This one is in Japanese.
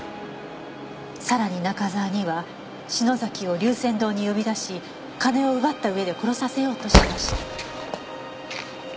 「更に中沢には篠崎を龍泉洞に呼び出し金を奪ったうえで殺させようとしました」